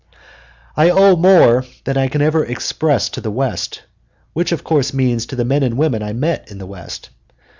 I owe more than I can ever express to the West, which of course means to the men and women I met in the West.